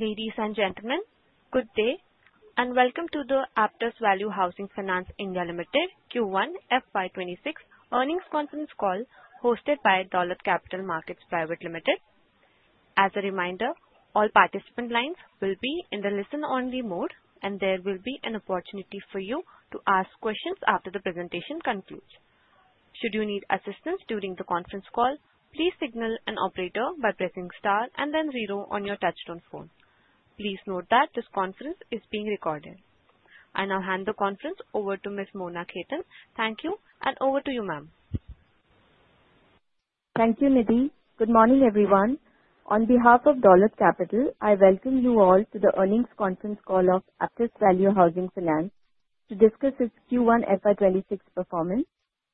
Ladies and gentlemen, good day and welcome to the Aptus Value Housing Finance India Limited Q1 FY26 earnings conference call hosted by Dolat Capital Markets Private Limited. As a reminder, all participant lines will be in the listen-only mode, and there will be an opportunity for you to ask questions after the presentation concludes. Should you need assistance during the conference call, please signal an operator by pressing star and then zero on your touchtone phone. Please note that this conference is being recorded. I now hand the conference over to Ms. Mona Khetan. Thank you, and over to you, ma'am. Thank you, Nidheen. Good morning, everyone. On behalf of Dolat Capital, I welcome you all to the earnings conference call of Aptus Value Housing Finance to discuss its Q1 FY 2026 performance.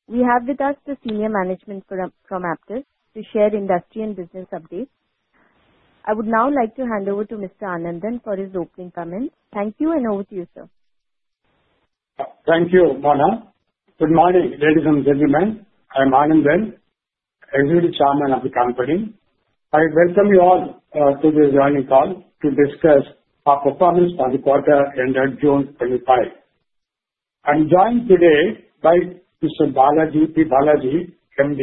We have with us the senior management from Aptus to share industry and business updates. I would now like to hand over to Mr. Anandan for his opening comments. Thank you, and over to you, sir. Thank you, Mona. Good morning, ladies and gentlemen. I'm Anandan, Executive Chairman of the company. I welcome you all to this earnings call to discuss our performance for the quarter ended June 2025. I'm joined today by, P. Balaji, MD,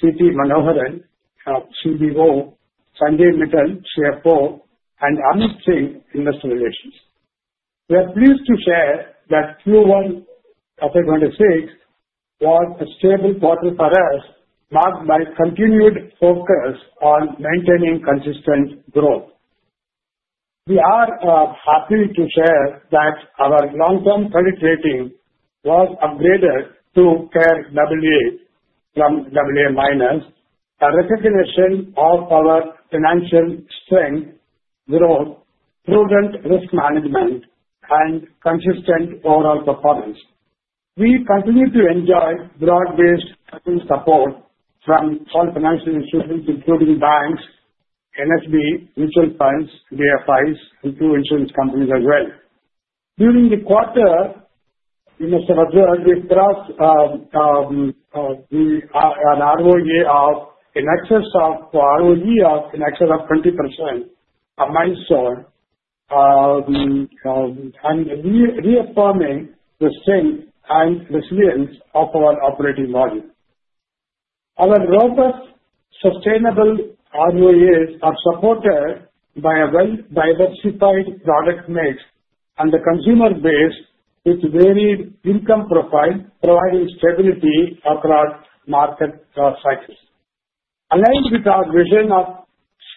C.T. Manoharan, CBO, S. Natarajan, CFO, and Amit Singh, Investor Relations. We are pleased to share that Q1 FY 2026 was a stable quarter for us, marked by continued focus on maintaining consistent growth. We are happy to share that our long-term credit rating was upgraded to CARE AA from AA-, a derecognition of our financial strength, growth, prudent risk management, and consistent overall performance. We continue to enjoy broad-based support from all financial institutions, including banks, NHB, mutual funds, DFIs, and two insurance companies as well. During the quarter, you must have observed we crossed an ROE in excess of 20%, a milestone, and reaffirming the strength and resilience of our operating model. Our robust sustainable ROEs are supported by a well-diversified product mix and the consumer base with varied income profile, providing stability across market cycles. Aligned with our vision of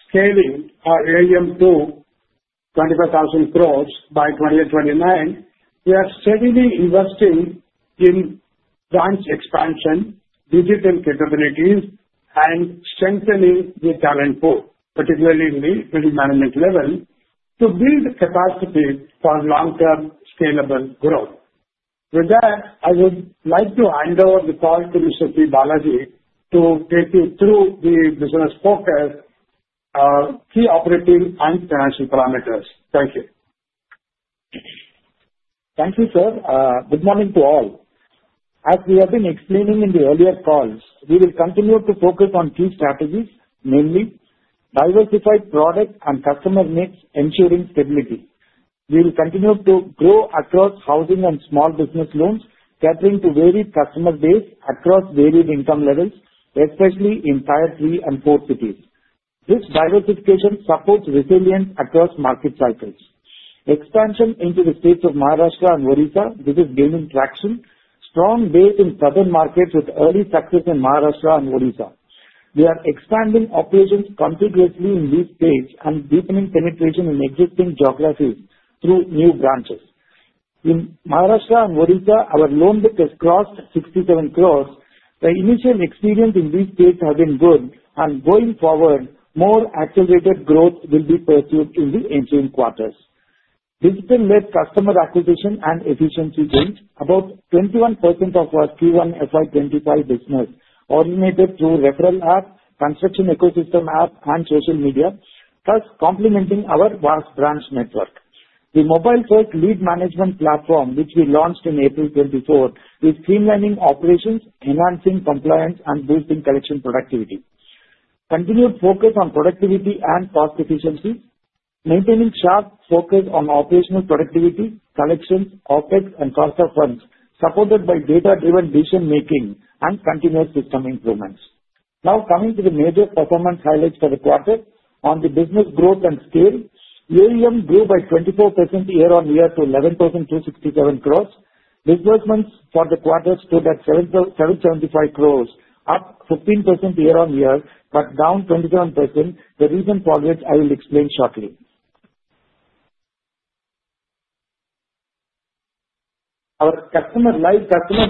scaling our AUM to 25,000 crores by 2029, we are steadily investing in branch expansion, digital capabilities, and strengthening the talent pool, particularly in the middle management level, to build capacity for long-term scalable growth. With that, I would like to hand over the call to Mr. P. Balaji to take you through the business focus, key operating, and financial parameters. Thank you. Thank you, sir. Good morning to all. As we have been explaining in the earlier calls, we will continue to focus on key strategies, namely diversified product and customer mix, ensuring stability. We will continue to grow across housing and small business loans, catering to varied customer base across varied income levels, especially in tier three and four cities. This diversification supports resilience across market cycles. Expansion into the states of Maharashtra and Odisha, this is gaining traction. Strong base in southern markets with early success in Maharashtra and Odisha. We are expanding operations continuously in these states and deepening penetration in existing geographies through new branches. In Maharashtra and Odisha, our loan book has crossed 67 crores. The initial experience in these states has been good, and going forward, more accelerated growth will be pursued in the ensuing quarters. Discipline-led customer acquisition and efficiency gained about 21% of our Q1 FY 2025 business, originated through referral app, construction ecosystem app, and social media, plus complementing our vast branch network. The mobile-first lead management platform, which we launched in April 2024, is streamlining operations, enhancing compliance, and boosting collection productivity. Continued focus on productivity and cost efficiency, maintaining sharp focus on operational productivity, collections, OpEx, and cost of funds, supported by data-driven decision-making and continuous system improvements. Now coming to the major performance highlights for the quarter. On the business growth and scale, AUM grew by 24% year-on-year to 11,267 crores. Disbursements for the quarter stood at 775 crores, up 15% year-on-year, but down 27%. The reason for which I will explain shortly. Our customer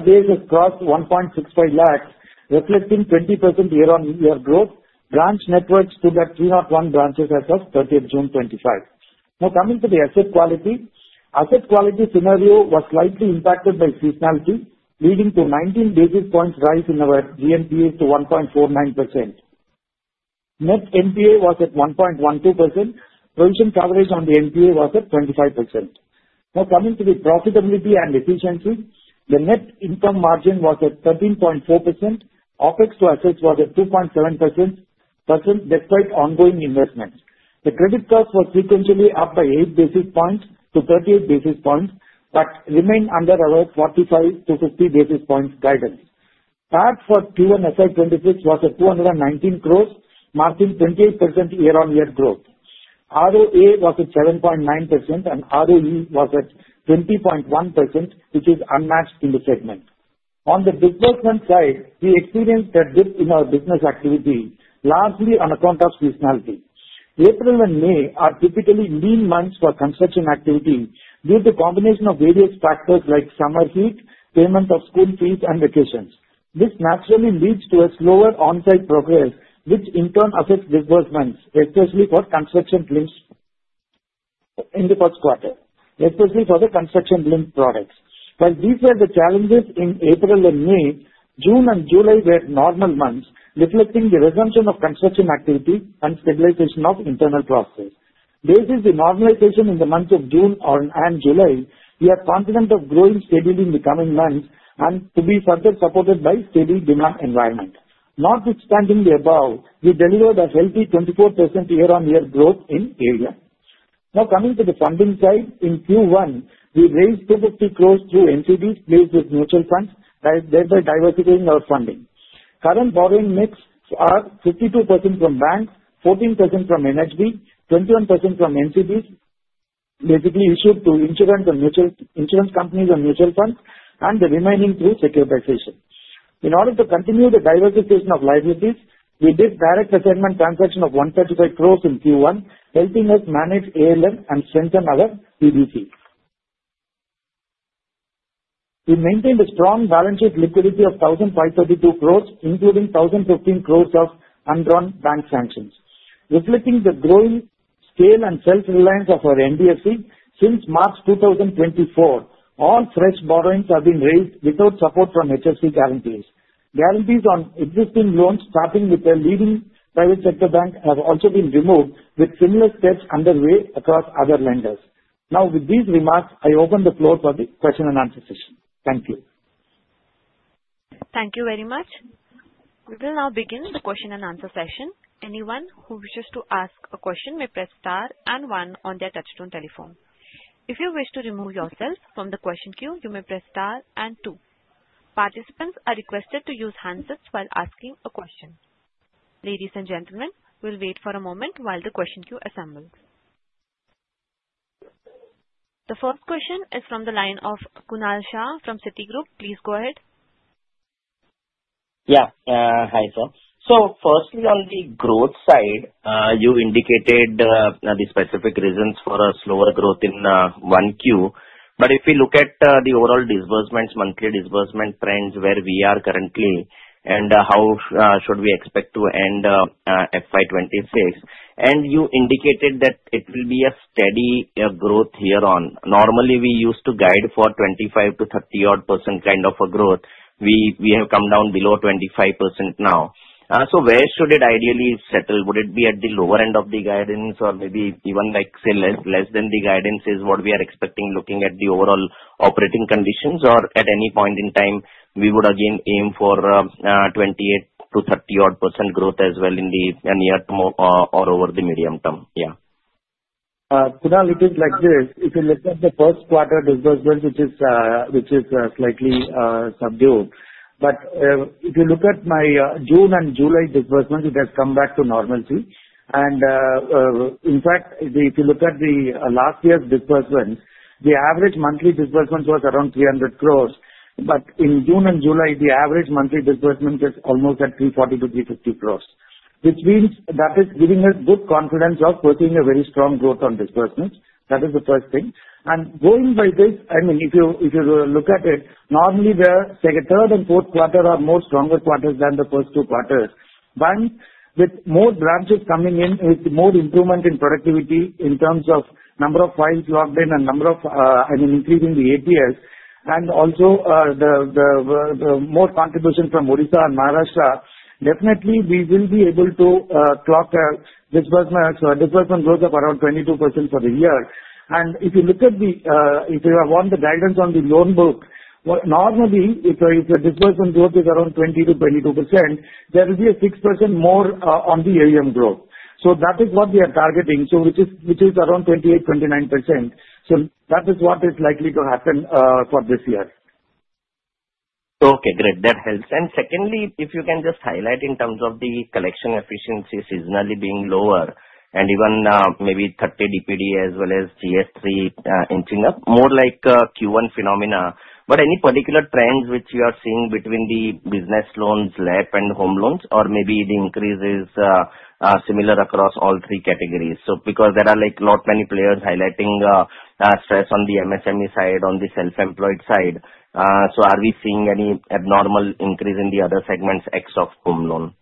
base has crossed 1.65 lakhs, reflecting 20% year-on-year growth. Branch networks stood at 301 branches as of 30 June 2025. Now coming to the asset quality, asset quality scenario was slightly impacted by seasonality, leading to 19 basis points rise in our GNPA to 1.49%. Net NPA was at 1.12%. Provision coverage on the NPA was at 25%. Now coming to the profitability and efficiency, the net income margin was at 13.4%. OpEx to assets was at 2.7% despite ongoing investment. The credit cost was sequentially up by 8 basis points-38 basis points, but remained under our 45-50 basis points guidance. PAT for Q1 FY 2026 was at 219 crores, marking 28% year-on-year growth. ROA was at 7.9%, and ROE was at 20.1%, which is unmatched in the segment. On the disbursement side, we experienced a dip in our business activity, largely on account of seasonality. April and May are typically lean months for construction activity due to a combination of various factors like summer heat, payment of school fees, and vacations. This naturally leads to a slower on-site progress, which in turn affects disbursements, especially for construction limits in the first quarter, especially for the construction-linked products. While these were the challenges in April and May, June and July were normal months, reflecting the resumption of construction activity and stabilization of internal processes. Based on the normalization in the months of June and July, we are confident of growing steadily in the coming months and to be further supported by a steady demand environment. Notwithstanding the above, we delivered a healthy 24% year-on-year growth in AUM. Now coming to the funding side, in Q1, we raised 250 crores through NCDs placed with mutual funds, thereby diversifying our funding. Current borrowing mix are 52% from banks, 14% from NHB, 21% from NCDs, basically issued to insurance companies and mutual funds, and the remaining through securitization. In order to continue the diversification of liabilities, we did direct assignment transaction of 135 crores in Q1, helping us manage ALM and strengthen our PBC. We maintained a strong balance sheet liquidity of 1,532 crores, including 1,015 crores of undrawn bank sanctions. Reflecting the growing scale and self-reliance of our NBFC since March 2024, all fresh borrowings have been raised without support from HSC guarantees. Guarantees on existing loans, starting with the leading private sector bank, have also been removed, with similar steps underway across other lenders. Now, with these remarks, I open the floor for the question and answer session. Thank you. Thank you very much. We will now begin the question and answer session. Anyone who wishes to ask a question may press star and one on their touch-tone telephone. If you wish to remove yourself from the question queue, you may press star and two. Participants are requested to use handsets while asking a question. Ladies and gentlemen, we'll wait for a moment while the question queue assembles. The first question is from the line of Kunal Shah from Citigroup. Please go ahead. Yeah, hi sir. So firstly, on the growth side, you indicated the specific reasons for a slower growth in Q1. But if we look at the overall disbursements, monthly disbursement trends where we are currently, and how should we expect to end FY 2026, and you indicated that it will be a steady growth year-on-year. Normally, we used to guide for 25%-30%-odd kind of a growth. We have come down below 25% now. So where should it ideally settle? Would it be at the lower end of the guidance, or maybe even less than the guidance is what we are expecting, looking at the overall operating conditions, or at any point in time, we would again aim for 28%-30%-odd growth as well in the near term or over the medium term? Yeah. Kunal, it is like this. If you look at the first quarter disbursement, which is slightly subdued, but if you look at my June and July disbursement, it has come back to normalcy. And in fact, if you look at the last year's disbursement, the average monthly disbursement was around 300 crores, but in June and July, the average monthly disbursement is almost at 340-350 crores, which means that is giving us good confidence of pursuing a very strong growth on disbursement. That is the first thing. And going by this, I mean, if you look at it, normally the second, third, and fourth quarters are more stronger quarters than the first two quarters. With more branches coming in, with more improvement in productivity in terms of number of files logged in and number of, I mean, increasing the ATS, and also the more contribution from Odisha and Maharashtra, definitely we will be able to clock our disbursement growth of around 22% for the year. If you look at the, if you have our guidance on the loan book, normally if the disbursement growth is around 20%-22%, there will be a 6% more on the AUM growth. That is what we are targeting, which is around 28%-29%. That is what is likely to happen for this year. Okay, great. That helps. And secondly, if you can just highlight in terms of the collection efficiency seasonally being lower, and even maybe 30 DPD as well as GS3 inching up, more like Q1 phenomena. But any particular trends which you are seeing between the business loans, LAP, and home loans, or maybe the increase is similar across all three categories? So because there are not many players highlighting stress on the MSME side, on the self-employed side, so are we seeing any abnormal increase in the other segments except home loan?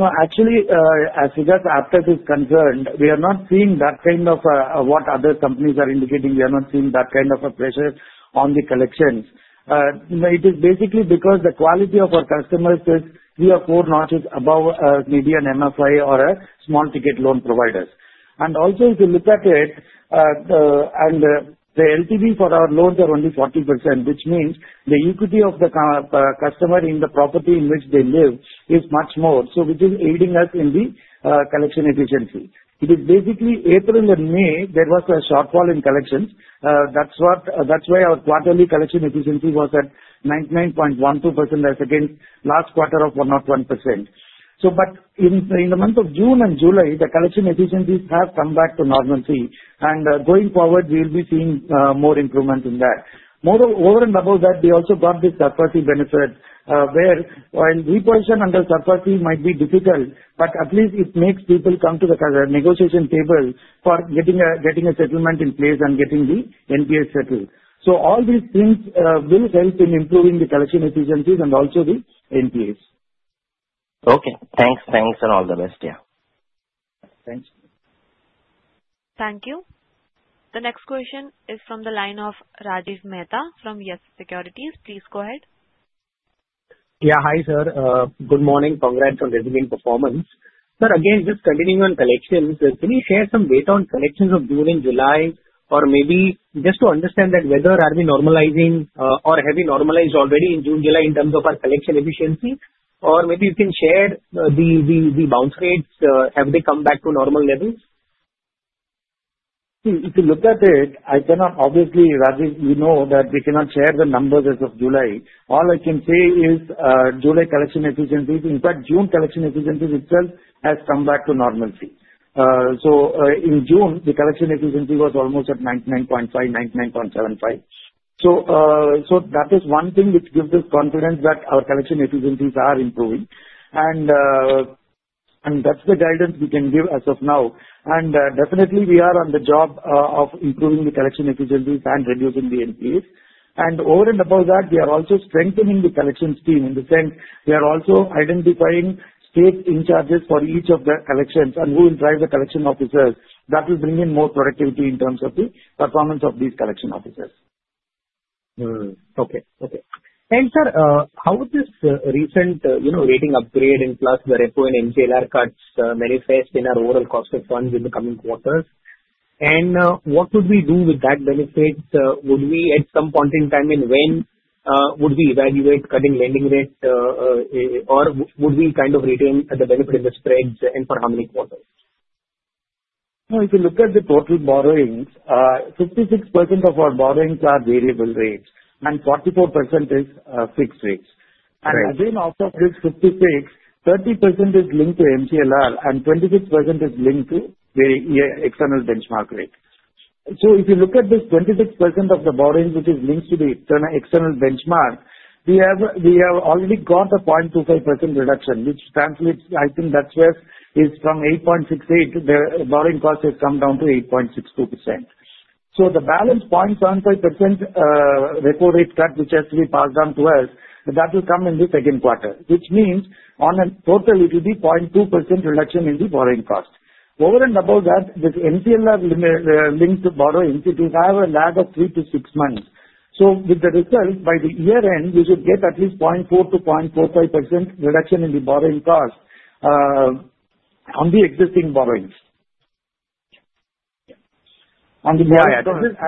So actually, as soon as after this concern, we are not seeing that kind of what other companies are indicating. We are not seeing that kind of a pressure on the collections. It is basically because the quality of our customers is three or four notches above a median MFI or a small ticket loan providers. And also if you look at it, and the LTV for our loans are only 40%, which means the equity of the customer in the property in which they live is much more, so which is aiding us in the collection efficiency. It is basically April and May. There was a shortfall in collections. That's why our quarterly collection efficiency was at 99.12% as against last quarter of 101%. But in the month of June and July, the collection efficiencies have come back to normalcy, and going forward, we will be seeing more improvement in that. Moreover, and above that, we also got the SARFAESI benefit, where while repossession under SARFAESI might be difficult, but at least it makes people come to the negotiation table for getting a settlement in place and getting the NPA settled. So all these things will help in improving the collection efficiencies and also the NPAs. Okay, thanks. Thanks, and all the best. Yeah. Thanks. Thank you. The next question is from the line of Rajiv Mehta from Yes Securities. Please go ahead. Yeah, hi sir. Good morning. Congrats on resilient performance. But again, just continuing on collections, can you share some data on collections of June and July, or maybe just to understand that whether are we normalizing or have we normalized already in June, July in terms of our collection efficiency, or maybe you can share the bounce rates, have they come back to normal levels? If you look at it, I cannot, obviously, Rajiv, you know that we cannot share the numbers as of July. All I can say is July collection efficiencies. In fact, June collection efficiencies itself has come back to normalcy, so in June, the collection efficiency was almost at 99.5%-99.75%. So that is one thing which gives us confidence that our collection efficiencies are improving, and that is the guidance we can give as of now, and definitely, we are on the job of improving the collection efficiencies and reducing the NPAs, and over and above that, we are also strengthening the collections team in the sense we are also identifying state in-charges for each of the collections and who will drive the collection officers. That will bring in more productivity in terms of the performance of these collection officers. Okay, okay, and sir, how would this recent rating upgrade and plus the repo and MCLR cuts manifest in our overall cost of funds in the coming quarters? And what would we do with that benefit? Would we at some point in time, and when would we evaluate cutting lending rate, or would we kind of retain the benefit of the spreads and for how many quarters? If you look at the total borrowings, 56% of our borrowings are variable rates, and 44% is fixed rates. Again, out of this 56%, 30% is linked to MCLR, and 26% is linked to the external benchmark rate. So if you look at this 26% of the borrowing which is linked to the external benchmark, we have already got a 0.25% reduction, which translates. I think that's where it is from 8.68%; the borrowing cost has come down to 8.62%. So the balance 0.75% repo rate cut which has to be passed down to us, that will come in the second quarter, which means on a total, it will be 0.2% reduction in the borrowing cost. Over and above that, with MCLR linked to borrowing, it will have a lag of three to six months. With the result, by the year end, we should get at least 0.4%-0.45% reduction in the borrowing cost on the existing borrowings. Yeah, I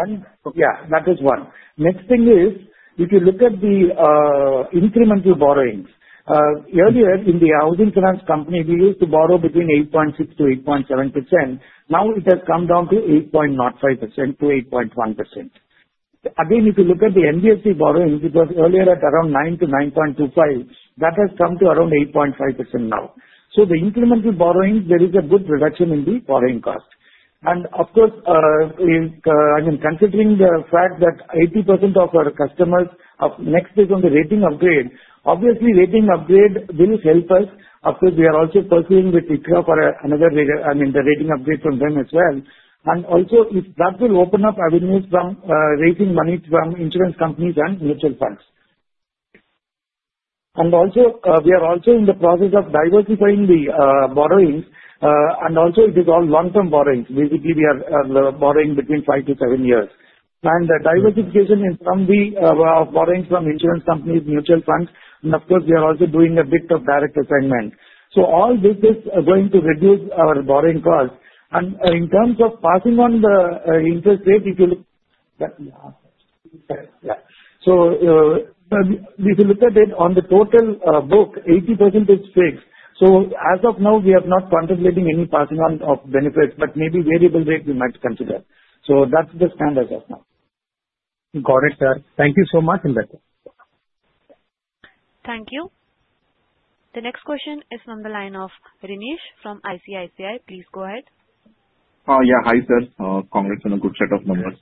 see. Yeah, that is one. Next thing is, if you look at the incremental borrowings, earlier in the housing finance company, we used to borrow between 8.6%-8.7%. Now it has come down to 8.05%-8.1%. Again, if you look at the NCD borrowing, it was earlier at around 9%-9.25%. That has come to around 8.5% now. So the incremental borrowing, there is a good reduction in the borrowing cost. And of course, I mean, considering the fact that 80% of our customers are next stage on the rating upgrade, obviously rating upgrade will help us because we are also pursuing with ICRA for another, I mean, the rating upgrade from them as well. And also, if that will open up avenues from raising money from insurance companies and mutual funds. And also, we are also in the process of diversifying the borrowings, and also it is all long-term borrowings. Basically, we are borrowing between five-to-seven years. And the diversification of borrowings from insurance companies, mutual funds, and of course, we are also doing a bit of direct assignment. So all this is going to reduce our borrowing cost. And in terms of passing on the interest rate, if you look yeah, so if you look at it on the total book, 80% is fixed. So as of now, we are not contemplating any passing on of benefits, but maybe variable rate we might consider. So that's the standard as of now. Got it, sir. Thank you so much, investor. Thank you. The next question is from the line of Renish from ICICI. Please go ahead. Yeah, hi sir. Congrats on a good set of numbers.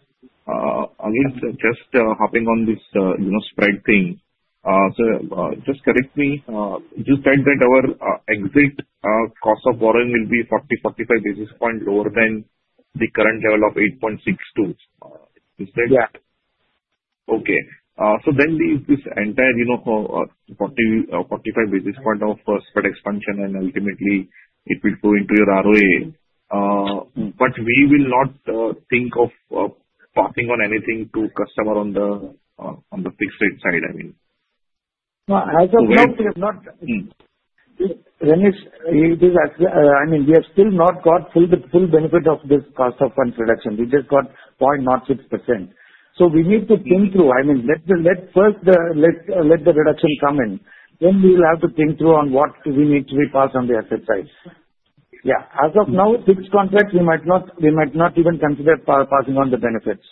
Again, just hopping on this spread thing. So just correct me, you said that our exit cost of borrowing will be 40-45 basis points lower than the current level of 8.62. Is that? Yeah. Okay. So then this entire 40-45 basis points of spread expansion, and ultimately it will go into your ROA. But we will not think of passing on anything to customer on the fixed rate side, I mean. As of now, we have not, Renish, it is actually, I mean, we have still not got full benefit of this cost of funds reduction. We just got 0.06%. So we need to think through. I mean, let's first let the reduction come in. Then we will have to think through on what we need to be passed on the asset side. Yeah, as of now, fixed contract, we might not even consider passing on the benefits.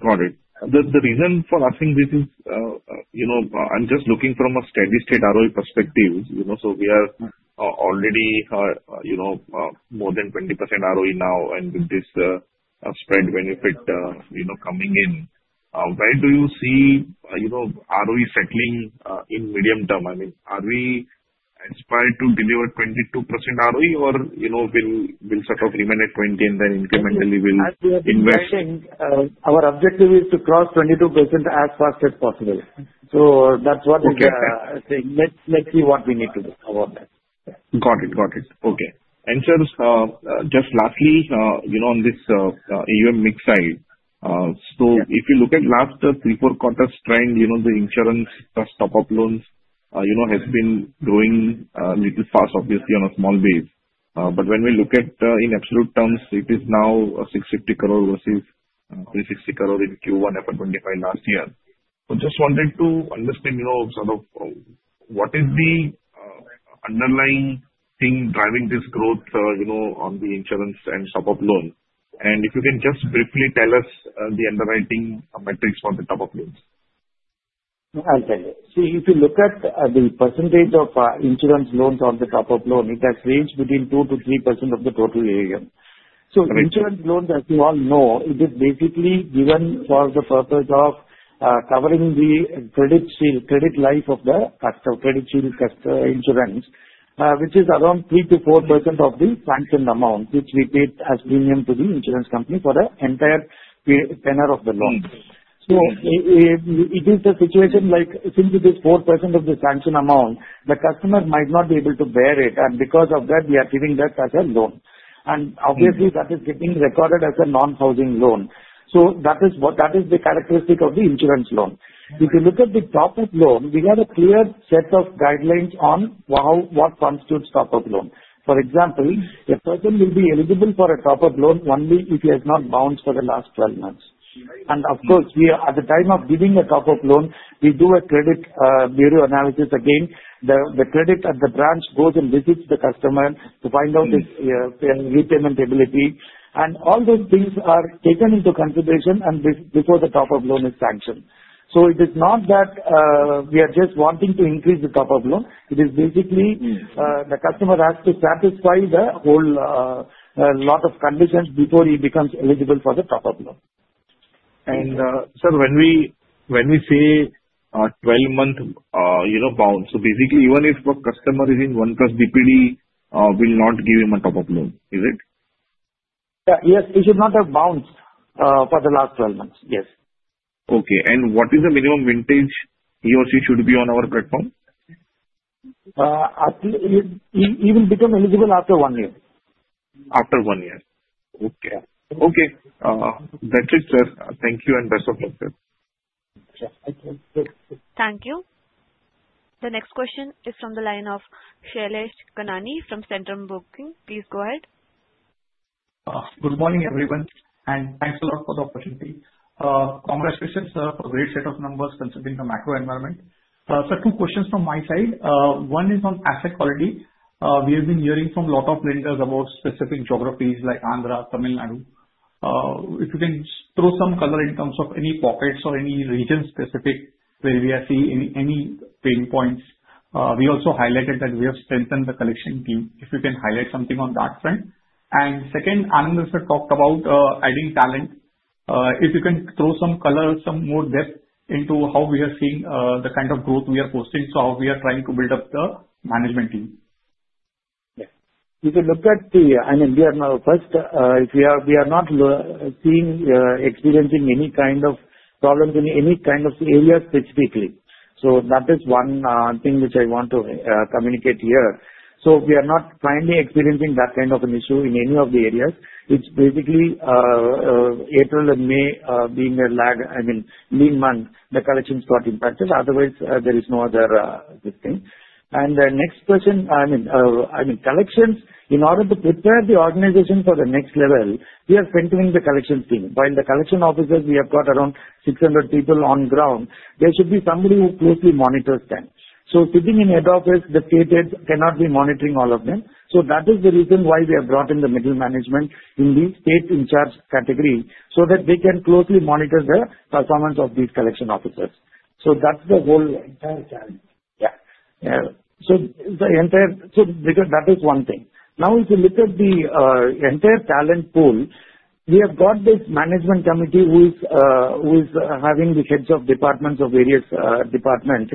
Got it. The reason for asking this is I'm just looking from a steady state ROE perspective. So we are already more than 20% ROE now, and with this spread benefit coming in, where do you see ROE settling in medium term? I mean, are we aspire to deliver 22% ROE, or will sort of remain at 20, and then incrementally we'll invest? Our objective is to cross 22% as fast as possible. So that's what we are saying. Let's see what we need to do about that. Got it, got it. Okay. And sir, just lastly, on this AUM mix side, so if you look at last three, four quarters trend, the insurance top-up loans has been growing a little fast, obviously on a small base. But when we look at in absolute terms, it is now 650 crore versus 360 crore in Q1 FY 2025 last year. I just wanted to understand sort of what is the underlying thing driving this growth on the insurance and top-up loan? And if you can just briefly tell us the underwriting metrics for the top-up loans. I'll tell you. So if you look at the percentage of insurance loans on the top-up loan, it has ranged between 2%-3% of the total AUM. So insurance loans, as you all know, it is basically given for the purpose of covering the credit life insurance, which is around 3%-4% of the sanctioned amount, which we paid as premium to the insurance company for the entire tenor of the loan. So it is a situation like since it is 4% of the sanctioned amount, the customer might not be able to bear it, and because of that, we are giving that as a loan. And obviously, that is getting recorded as a non-housing loan. So that is the characteristic of the insurance loan. If you look at the top-up loan, we have a clear set of guidelines on what constitutes top-up loan. For example, a person will be eligible for a top-up loan only if he has not bounced for the last 12 months. And of course, at the time of giving a top-up loan, we do a credit bureau analysis. Again, the credit at the branch goes and visits the customer to find out his repayment ability. And all those things are taken into consideration before the top-up loan is sanctioned. So it is not that we are just wanting to increase the top-up loan. It is basically the customer has to satisfy the whole lot of conditions before he becomes eligible for the top-up loan. Sir, when we say 12-month bounce, so basically, even if a customer is in 1 plus DPD, we will not give him a top-up loan, is it? Yeah, yes, he should not have bounced for the last 12 months, yes. Okay, and what is the minimum age he or she should be on our platform? He will become eligible after one year. After one year. Okay. That's it, sir. Thank you and best of luck, sir. Sure. Thank you. Thank you. The next question is from the line of Shailesh Kanani from Centrum Broking. Please go ahead. Good morning, everyone. And thanks a lot for the opportunity. Congratulations, sir, for a great set of numbers concerning the macro environment. Sir, two questions from my side. One is on asset quality. We have been hearing from a lot of lenders about specific geographies like Andhra, Tamil Nadu. If you can throw some color in terms of any pockets or any region specific where we are seeing any pain points. We also highlighted that we have strengthened the collection team. If you can highlight something on that front. And second, Anandan has talked about adding talent. If you can throw some color, some more depth into how we are seeing the kind of growth we are posting, so how we are trying to build up the management team. Yeah. If you look at the, I mean, we are now, first, we are not experiencing any kind of problems in any kind of area specifically. So that is one thing which I want to communicate here. So we are not finally experiencing that kind of an issue in any of the areas. It's basically April and May being a lag, I mean, lean month, the collections got impacted. Otherwise, there is no other good thing. And the next question, I mean, collections, in order to prepare the organization for the next level, we are centralizing the collections team. While the collection officers, we have got around 600 people on ground, there should be somebody who closely monitors them. So sitting in head office, the state heads cannot be monitoring all of them. So that is the reason why we have brought in the middle management in the state in charge category so that they can closely monitor the performance of these collection officers. So that's the whole entire challenge. Yeah. So that is one thing. Now, if you look at the entire talent pool, we have got this management committee who is having the heads of departments of various departments.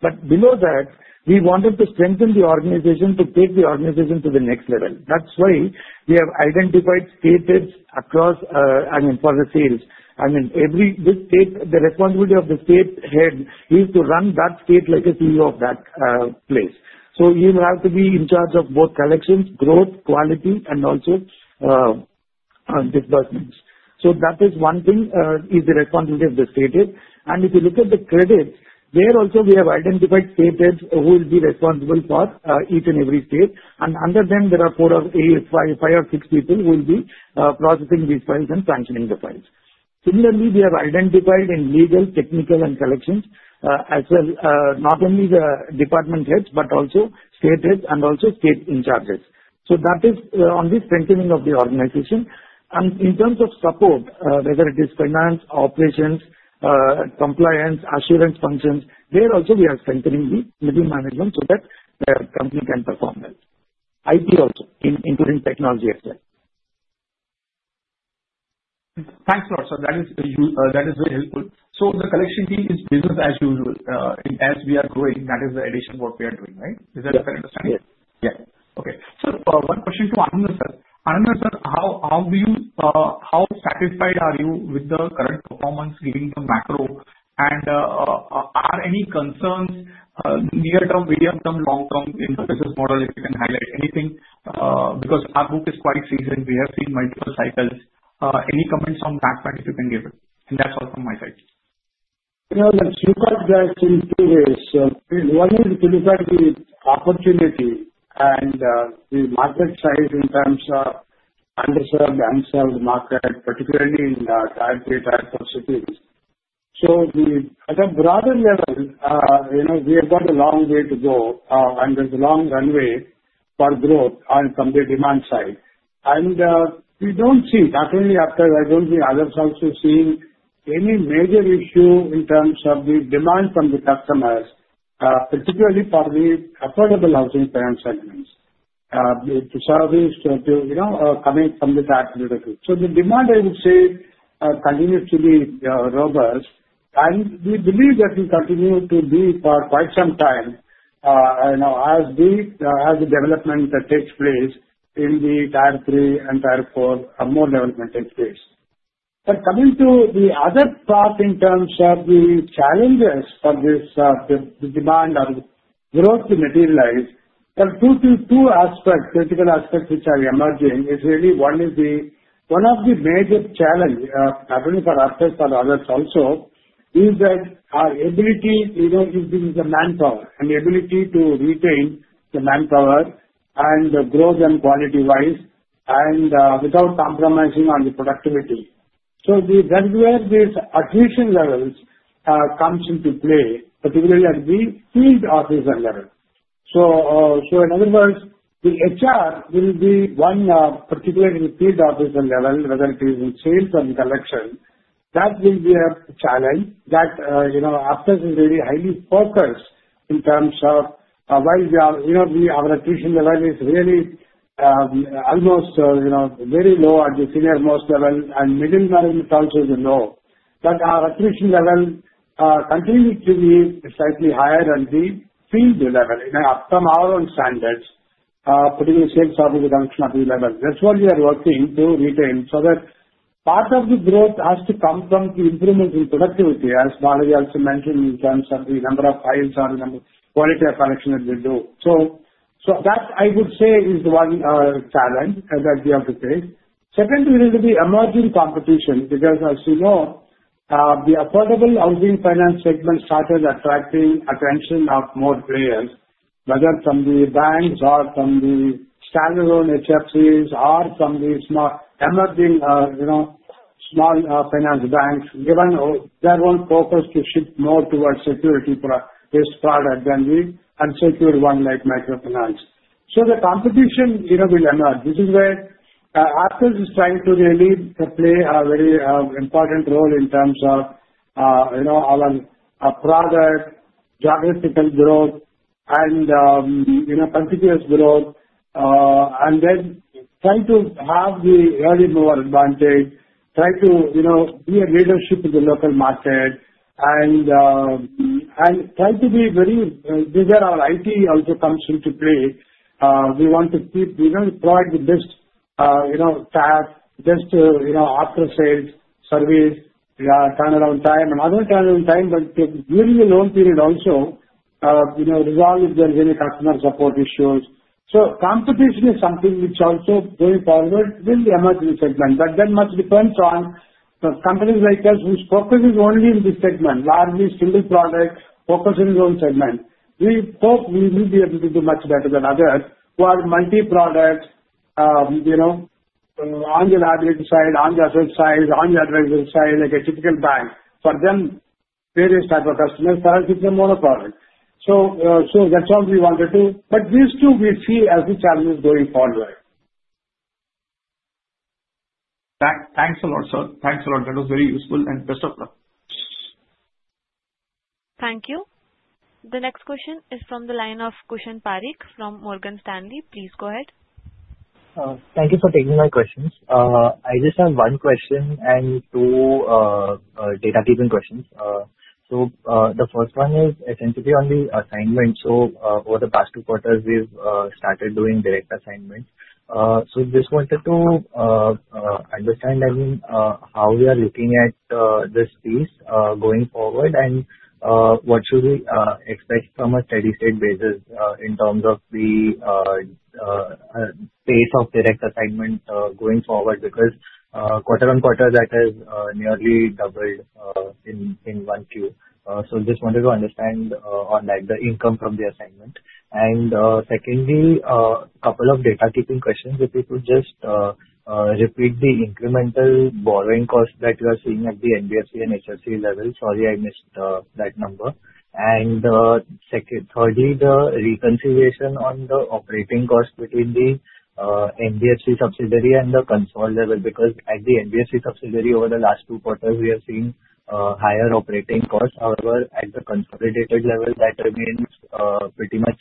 But below that, we wanted to strengthen the organization to take the organization to the next level. That's why we have identified state heads across, I mean, for the sales. I mean, the responsibility of the state head is to run that state like a CEO of that place. So you have to be in charge of both collections, growth, quality, and also disbursements. So that is one thing is the responsibility of the state head. And if you look at the credits, there also we have identified state heads who will be responsible for each and every state. And under them, there are four or five or six people who will be processing these files and sanctioning the files. Similarly, we have identified in legal, technical, and collections as well, not only the department heads, but also state heads and also state in charges. So that is on the strengthening of the organization. And in terms of support, whether it is finance, operations, compliance, assurance functions, there also we are strengthening the middle management so that the company can perform well. IT also, including technology as well. Thanks, Lord. So that is very helpful. So the collection team is business as usual. As we are growing, that is the addition of what we are doing, right? Is that a fair understanding? Yes. Yeah. Okay. So one question to Anandan sir. Anandan sir, how satisfied are you with the current performance given the macro? And are any concerns near-term, medium-term, long-term in the business model? If you can highlight anything because our book is quite seasoned. We have seen multiple cycles. Any comments on that point if you can give it? And that's all from my side. Yeah, let's look at that in two ways. One is if you look at the opportunity and the market size in terms of underserved market, particularly in tier three, tier four cities. So at a broader level, we have got a long way to go and there's a long runway for growth from the demand side. And we don't see, not only after I don't see others also seeing any major issue in terms of the demand from the customers, particularly for the affordable housing finance segments, to service to coming from the tax leadership. So the demand, I would say, continues to be robust. And we believe that we continue to be for quite some time as the development takes place in the tier three and tier four, more development takes place. But coming to the other part in terms of the challenges for this demand or growth to materialize, there are two aspects, critical aspects which are emerging. One is one of the major challenges, not only for ourselves, but others also, is that our ability is the manpower and the ability to retain the manpower and the growth and quality-wise and without compromising on the productivity. So that's where these attrition levels come into play, particularly at the field office level. So in other words, the HR will be one particular field office level, whether it is in sales or in collection, that will be a challenge that ourselves is really highly focused in terms of while our attrition level is really almost very low at the senior-most level and middle management also is low. But our attrition level continues to be slightly higher than the field level in our HR standards, particularly sales office function at the level. That's what we are working to retain so that part of the growth has to come from the improvements in productivity, as Valerie also mentioned in terms of the number of files or the quality of collections that we do. So that, I would say, is one challenge that we have to face. Second, we need to face emerging competition because, as you know, the affordable housing finance segment started attracting attention of more players, whether from the banks or from the standalone HFCs or from the emerging small finance banks, given their own focus to shift more towards secured-based product than the unsecured one like microfinance. So the competition will emerge. This is where ourselves is trying to really play a very important role in terms of our product geographical growth and continuous growth, and then trying to have the early mover advantage, try to be a leadership in the local market, and try to be very these are our IT also comes into play. We want to keep provide the best task, best after-sales service, turnaround time, and other turnaround time, but during the loan period also, resolve if there are any customer support issues. So competition is something which also going forward will emerge in this segment. But then much depends on companies like us whose focus is only in this segment, largely single product, focus on its own segment. We hope we will be able to do much better than others who are multi-product on the liability side, on the asset side, on the advisory side, like a typical bank. For them, various type of customers, for us, it's a monoproduct. So that's all we wanted to. But these two we see as the challenges going forward. Thanks a lot, sir. Thanks a lot. That was very useful and best of luck. Thank you. The next question is from the line of Kushan Parikh from Morgan Stanley. Please go ahead. Thank you for taking my questions. I just have one question and two data-driven questions. So the first one is essentially on the assignment. So over the past two quarters, we've started doing direct assignment. So just wanted to understand, I mean, how we are looking at this piece going forward and what should we expect from a steady-state basis in terms of the pace of direct assignment going forward because quarter on quarter, that has nearly doubled in 1Q. So just wanted to understand on that, the income from the assignment. And secondly, a couple of data-keeping questions. If you could just repeat the incremental borrowing cost that you are seeing at the NBFC and HFC level. Sorry, I missed that number. Thirdly, the reconciliation on the operating cost between the NBFC subsidiary and the consolidated level because at the NBFC subsidiary, over the last two quarters, we have seen higher operating costs. However, at the consolidated level, that remains pretty much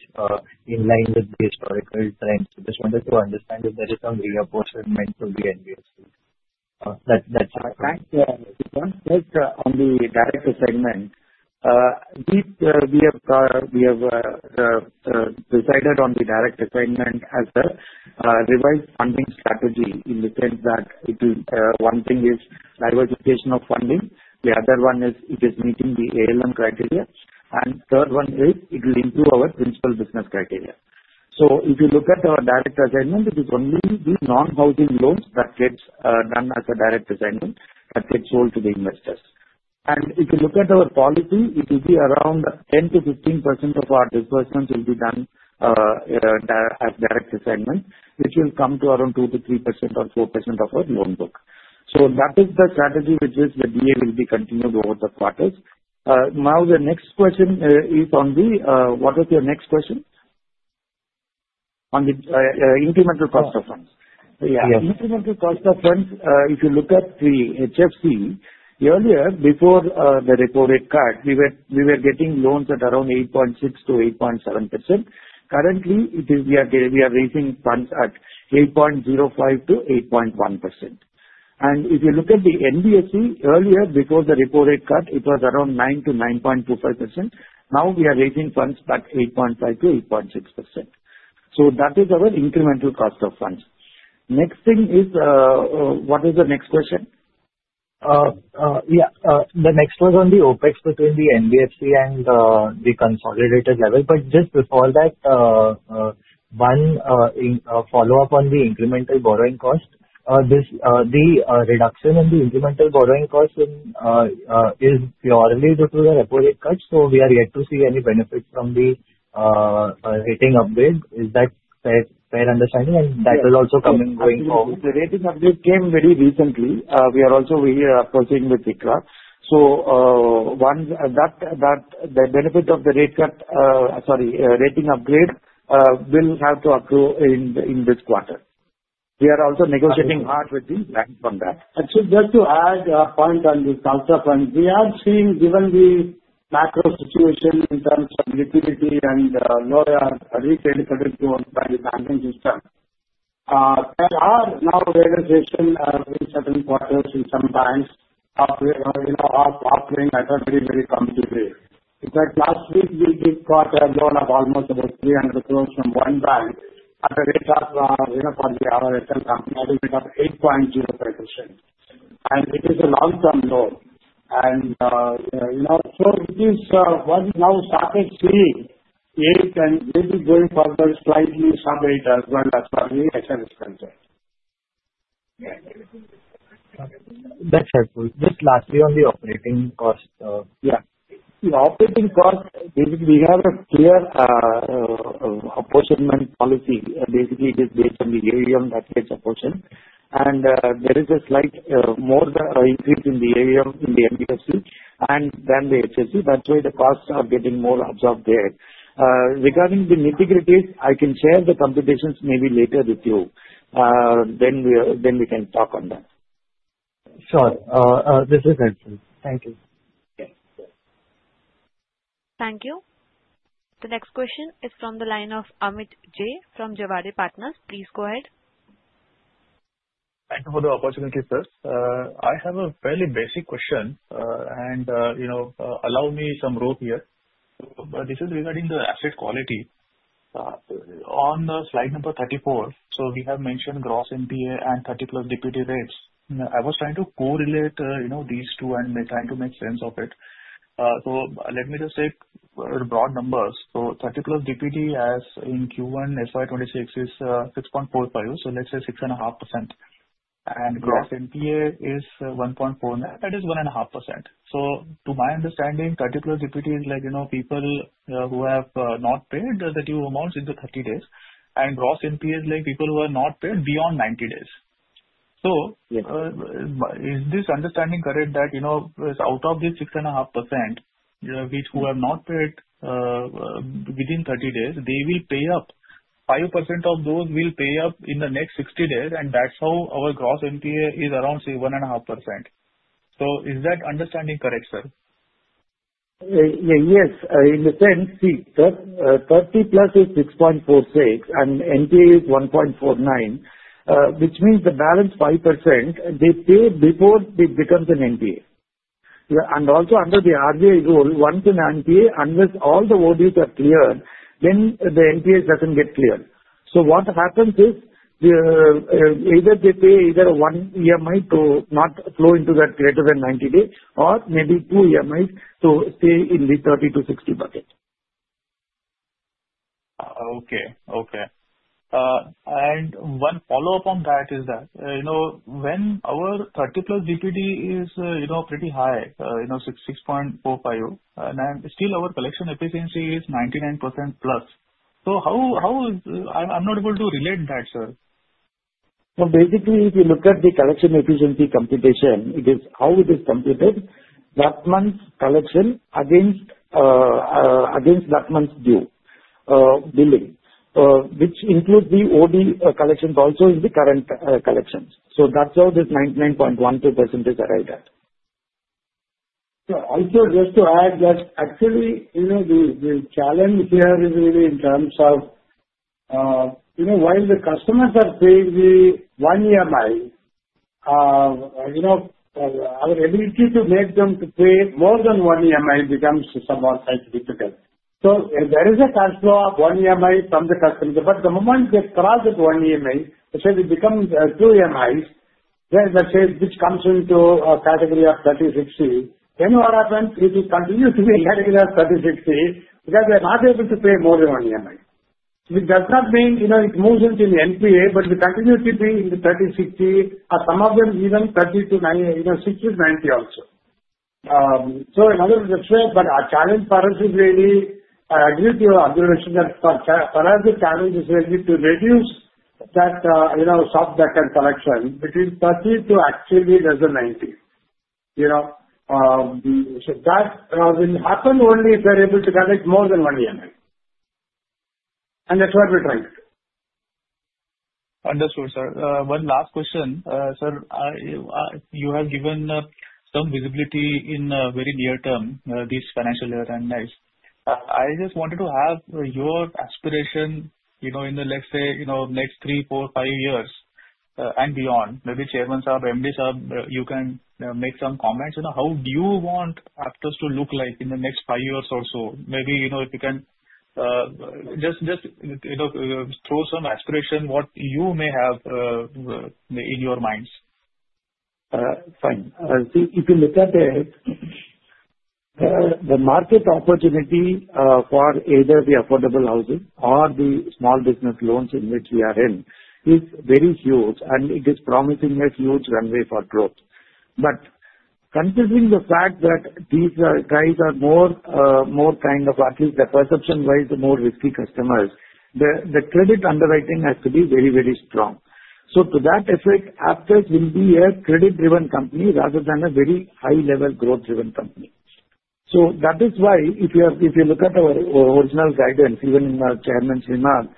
in line with the historical trends. Just wanted to understand if there is some reapportionment to the NBFC. That's all. [audio disortion] Thanks, Anand. On the direct assignment, we have decided on the direct assignment as a revised funding strategy in the sense that one thing is diversification of funding. The other one is it is meeting the ALM criteria. And third one is it will improve our principal business criteria. So if you look at our direct assignment, it is only the non-housing loans that gets done as a direct assignment that gets sold to the investors. And if you look at our policy, it will be around 10%-15% of our disbursements will be done as direct assignment, which will come to around 2%-3% or 4% of our loan book. So that is the strategy which is the DA will be continued over the quarters. Now, the next question is on the what was your next question? On the incremental cost of funds. Yeah. Incremental cost of funds, if you look at the HFC, earlier, before the reported cut, we were getting loans at around 8.6%-8.7%. Currently, we are raising funds at 8.05%-8.1%. And if you look at the NBFC, earlier, before the reported cut, it was around 9%-9.25%. Now, we are raising funds at 8.5%-8.6%. So that is our incremental cost of funds. Next thing is what was the next question? Yeah. The next one is on the OpEx between the NBFC and the consolidated level. But just before that, one follow-up on the incremental borrowing cost. The reduction in the incremental borrowing cost is purely due to the reported cut. So we are yet to see any benefits from the rating upgrade. Is that a fair understanding? And that will also come in going forward. The rating upgrade came very recently. We are also approaching the rate cut, so the benefit of the rate cut, sorry, rating upgrade will have to accrue in this quarter. We are also negotiating hard with the banks on that. Just to add a point on the counterparties, we are seeing, given the macro situation in terms of liquidity and lower retail credit growth by the banking system, there are now realizations in certain quarters in some banks of offering at a very, very common rate. In fact, last week, we did quote a loan of almost 300 crore from one bank at a rate of 8.05% for the whole company. And it is a long-term loan, and so we are now starting to see 8% and maybe going further, slightly sub-8% as well for the HFC segment. That's helpful. Just lastly, on the operating cost. Yeah. The operating cost, basically, we have a clear apportionment policy. Basically, it is based on the AUM that gets apportioned. And there is a slight more increase in the AUM in the NBFC and then the HFC. That's why the costs are getting more absorbed there. Regarding the nitty-gritties, I can share the computations maybe later with you. Then we can talk on that. Sure. This is excellent. Thank you. Thank you. The next question is from the line of Amit Jay from Javeri Partners. Please go ahead. Thank you for the opportunity, sir. I have a fairly basic question, and allow me some room here. This is regarding the asset quality. On slide number 34, so we have mentioned gross NPA and 30-plus DPD rates. I was trying to correlate these two and trying to make sense of it, so let me just take broad numbers, so 30-plus DPD as in Q1 FY 2026 is 6.45%, so let's say 6.5%. And gross NPA is 1.49%. That is 1.5%, so to my understanding, 30+ DPD is like people who have not paid the due amounts in the 30 days, and gross NPA is like people who have not paid beyond 90 days. So is this understanding correct that out of this 6.5%, those who have not paid within 30 days, 5% of those will pay up in the next 60 days, and that's how our gross NPA is around 1.5%? So is that understanding correct, sir? Yes. In the sense, see, 30+ is 6.46, and NPA is 1.49, which means the balance 5%, they pay before it becomes an NPA. And also under the RVA rule, once an NPA, unless all the ODs are cleared, then the NPA doesn't get cleared. So what happens is either they pay either one EMI to not flow into that greater than 90 days or maybe two EMIs to stay in the 30-60 bucket. Okay. And one follow-up on that is that when our 30+ DPD is pretty high, 6.45%, and still our collection efficiency is 99%+. So how is I'm not able to relate that, sir? So basically, if you look at the collection efficiency computation, it is how it is computed that month's collection against that month's billing, which includes the OD collection also in the current collections. So that's how this 99.12% is arrived at. So I'll just add that actually, the challenge here is really in terms of while the customers are paying the one EMI, our ability to make them to pay more than one EMI becomes somewhat difficult. So there is a cash flow of one EMI from the customers. But the moment they cross that one EMI, let's say they become two EMIs, which comes into a category of 30-60, then what happens is it continues to be a category of 30-60 because they're not able to pay more than one EMI. It does not mean it moves into the NPA, but we continue to be in the 30-60, or some of them even 30 to 60 to 90 also. So in other words, but our challenge for us is really. I agree with your observation that for us, the challenge is really to reduce that soft backend collection between 30 to actually less than 90. So that will happen only if we're able to collect more than one EMI. And that's what we're trying to do. Understood, sir. One last question. Sir, you have given some visibility in very near term, this financial year and next. I just wanted to have your aspiration in the, let's say, next three, four, five years and beyond. Maybe chairman's up, MD's up, you can make some comments. How do you want Aptus to look like in the next five years or so? Maybe if you can just throw some aspiration, what you may have in your minds. Fine. If you look at it, the market opportunity for either the affordable housing or the small business loans in which we are in is very huge, and it is promising a huge runway for growth. But considering the fact that these guys are more kind of, at least the perception-wise, the more risky customers, the credit underwriting has to be very, very strong. So to that effect, Aptus will be a credit-driven company rather than a very high-level growth-driven company. So that is why if you look at our original guidance, even in Chairman's remarks,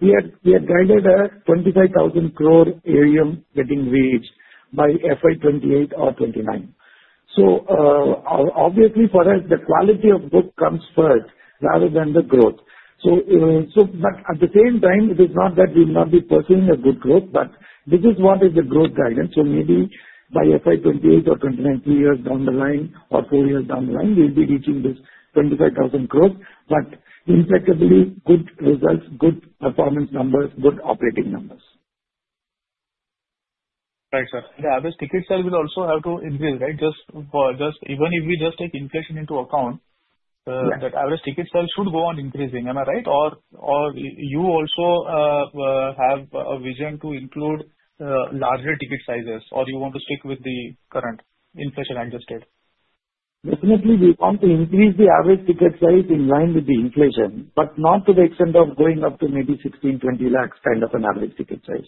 we had guided a 25,000 crore AUM getting reached by FY 2028 or FY 2029. So obviously, for us, the quality of book comes first rather than the growth. But at the same time, it is not that we will not be pursuing a good growth, but this is what is the growth guidance. So maybe by FY 2028 or FY 2029, two years down the line or four years down the line, we'll be reaching this 25,000 crore, but impeccably good results, good performance numbers, good operating numbers. Thanks, sir. The average ticket size will also have to increase, right? Even if we just take inflation into account, that average ticket size should go on increasing. Am I right? Or you also have a vision to include larger ticket sizes, or you want to stick with the current inflation-adjusted? Definitely, we want to increase the average ticket size in line with the inflation, but not to the extent of going up to maybe 16-20 lakhs kind of an average ticket size.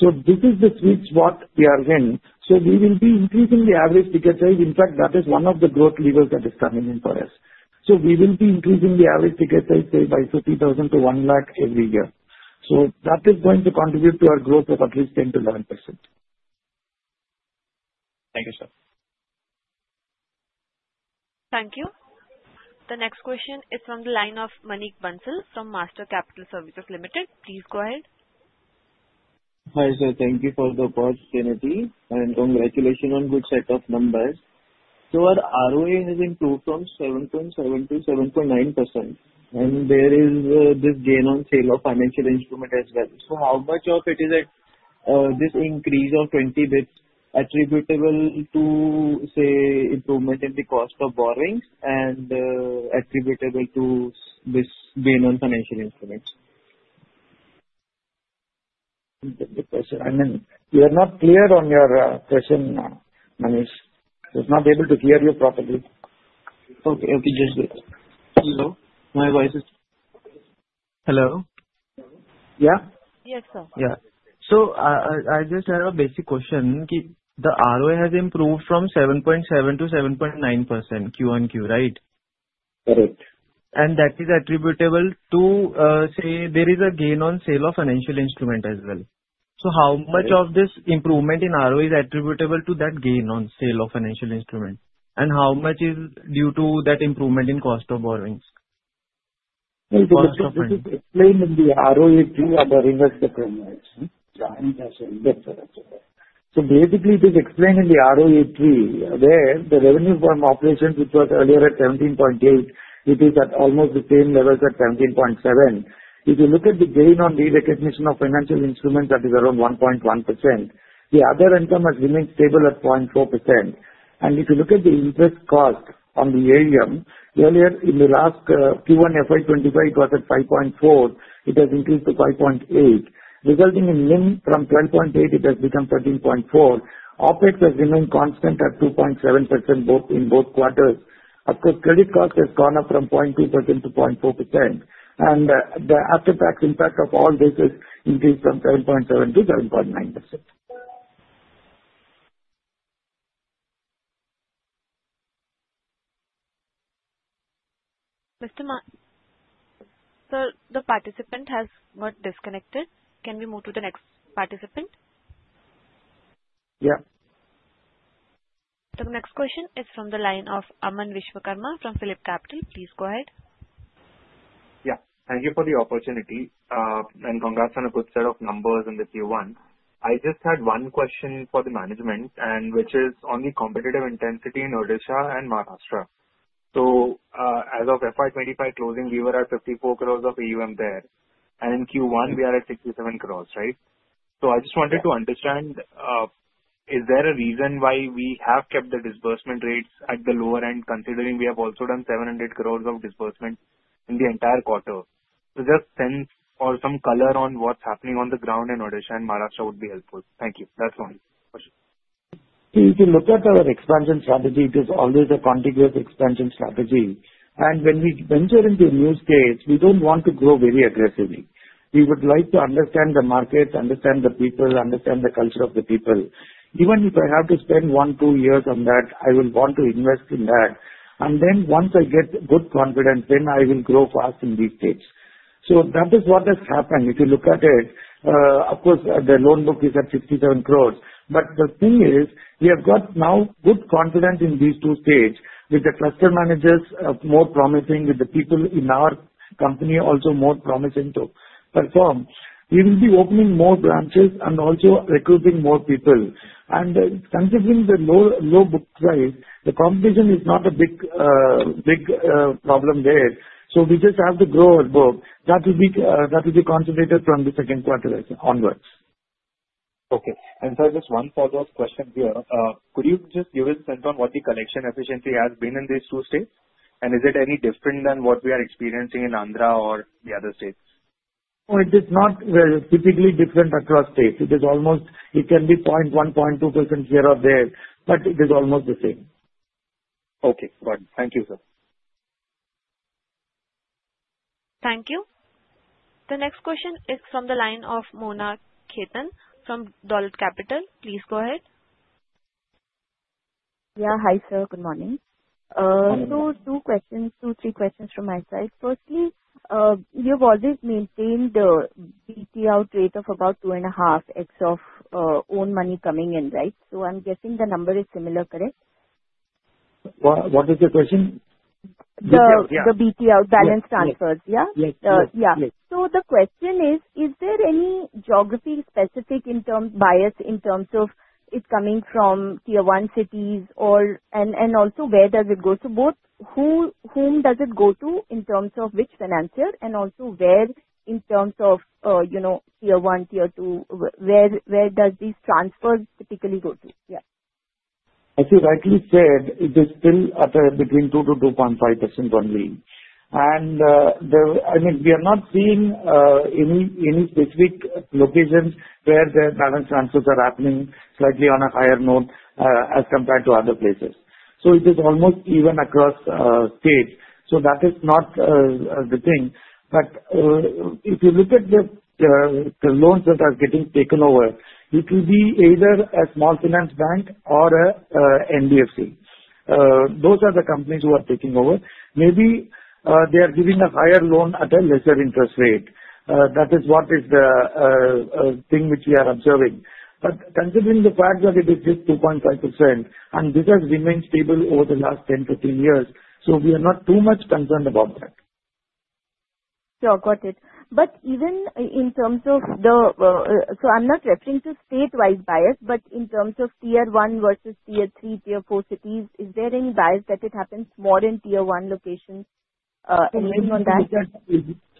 So this is the sweet spot that we are in. So we will be increasing the average ticket size. In fact, that is one of the growth levers that is coming in for us. So we will be increasing the average ticket size by 50,000 to 1 lakh every year. So that is going to contribute to our growth of at least 10%-11%. Thank you, sir. Thank you. The next question is from the line of Manik Bansal from Master Capital Services Limited. Please go ahead. Hi, sir. Thank you for the opportunity. And congratulations on good set of numbers. So our ROA has improved from 7.7%-7.9%. And there is this gain on sale of financial instrument as well. So how much of it is this increase of 20 basis points attributable to, say, improvement in the cost of borrowings and attributable to this gain on financial instruments? We are not clear on your question, Manish. I was not able to hear you properly. Okay. Just wait. Hello. My voice is. Hello? Hello? Yeah? Yes, sir. Yeah. So I just have a basic question. The ROA has improved from 7.7%-7.9% Q-on-Q, right? Correct. And that is attributable to, say, there is a gain on sale of financial instrument as well. So how much of this improvement in ROA is attributable to that gain on sale of financial instrument? And how much is due to that improvement in cost of borrowings? Basically, it is explained in the ROA Tree of our investor presentation. So basically, it is explained in the ROA Tree, where the revenue from operations, which was earlier at 17.8%, it is at almost the same level as 17.7%. If you look at the gain on the recognition of financial instruments, that is around 1.1%. The other income has remained stable at 0.4%. And if you look at the interest cost on the AUM, earlier in the last Q1 FY 2025, it was at 5.4%. It has increased to 5.8%, resulting in NIM from 12.8%, it has become 13.4%. OpEx has remained constant at 2.7% in both quarters. Of course, credit cost has gone up from 0.2%-0.4%. And the after-tax impact of all this has increased from 7.7%-7.9%. So the participant has got disconnected. Can we move to the next participant? Yeah. The next question is from the line of Aman Vishwakarma from PhillipCapital. Please go ahead. Yeah. Thank you for the opportunity. And congrats on a good set of numbers in the Q1. I just had one question for the management, which is on the competitive intensity in Odisha and Maharashtra. So as of FY 2025 closing, we were at 54 crores of AUM there. And in Q1, we are at 67 crores, right? So I just wanted to understand, is there a reason why we have kept the disbursement rates at the lower end, considering we have also done 700 crores of disbursement in the entire quarter? So just sense or some color on what's happening on the ground in Odisha and Maharashtra would be helpful. Thank you. That's my question. If you look at our expansion strategy, it is always a continuous expansion strategy, and when we venture into a new space, we don't want to grow very aggressively. We would like to understand the market, understand the people, understand the culture of the people. Even if I have to spend one, two years on that, I will want to invest in that, and then once I get good confidence, then I will grow fast in these states, so that is what has happened. If you look at it, of course, the loan book is at 67 crores, but the thing is, we have got now good confidence in these states with the cluster managers more promising, with the people in our company also more promising to perform. We will be opening more branches and also recruiting more people. Considering the low book price, the competition is not a big problem there. We just have to grow our book. That will be continued from the second quarter onwards. Okay. And sir, just one follow-up question here. Could you just give us a sense on what the collection efficiency has been in these two states? And is it any different than what we are experiencing in Andhra or the other states? Oh, it is not typically different across states. It is almost, it can be 0.1%-0.2% here or there, but it is almost the same. Okay. Got it. Thank you, sir. Thank you. The next question is from the line of Mona Khetan from Dolat Capital. Please go ahead. Yeah. Hi, sir. Good morning. So two questions, two, three questions from my side. Firstly, you have always maintained the BT out rate of about 2.5x of own money coming in, right? So I'm guessing the number is similar, correct? What is your question? The BT outstanding balances, yeah? Yes. Yeah. So the question is, is there any geography-specific bias in terms of it coming from tier one cities and also where does it go? So whom does it go to in terms of which financier and also where in terms of tier one, tier two, where does these transfers typically go to? Yeah. As you rightly said, it is still between 2%-2.5% only. And I mean, we are not seeing any specific locations where the balance transfers are happening slightly on a higher note as compared to other places. So it is almost even across states. So that is not the thing. But if you look at the loans that are getting taken over, it will be either a small finance bank or an NBFC. Those are the companies who are taking over. Maybe they are giving a higher loan at a lesser interest rate. That is what is the thing which we are observing. But considering the fact that it is just 2.5% and this has remained stable over the last 10, 15 years, so we are not too much concerned about that. Sure. Got it, but even in terms of the so I'm not referring to statewide bias, but in terms of tier one versus tier three, tier four cities, is there any bias that it happens more in tier one locations? Anything on that?